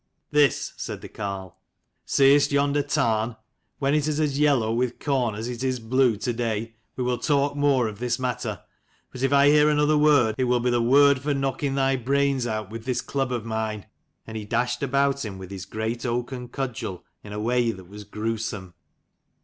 "This," said the carle. "Seest yonder tarn? When it is as yellow with corn as it is blue to day, we will talk more of this matter : but if I hear another word, it will be the word for knocking thy brains out with this club of mine." And he dashed about him with his great oaken cudgel in a way that was grewsome.